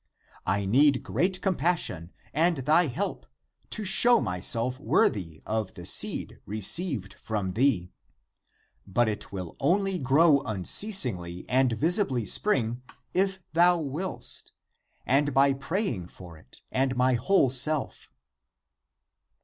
I need great compassion and thy help, to show myself worthy of the seed received from thee. But it will only grow unceasingly and visibly spring, if thou willst, and by praying for it and my whole self."